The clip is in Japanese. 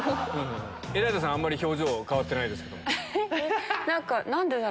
エライザさんはあんまり表情変わってないですけど。